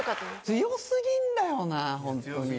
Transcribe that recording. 強すぎるんだよな本当に。